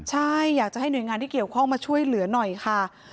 ใช่อยากจะให้หน่วยงานที่เกี่ยวข้องมาช่วยเหลือหน่อยค่ะ